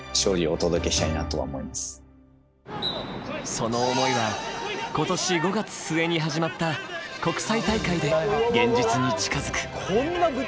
その思いはことし５月末に始まった国際大会で、現実に近づく。